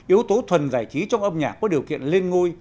yếu tố thuần giải trí trong âm nhạc có điều kiện lên ngôi